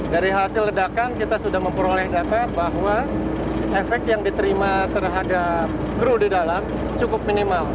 dari hasil ledakan kita sudah memperoleh data bahwa efek yang diterima terhadap kru di dalam cukup minimal